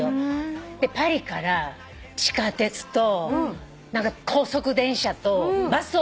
パリから地下鉄と高速電車とバスを乗り継いで。